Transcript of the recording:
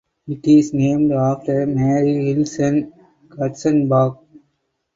It is named after Marie Hilson Katzenbach.